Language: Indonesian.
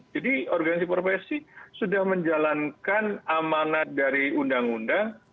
jadi organisasi profesi sudah menjalankan amanat dari undang undang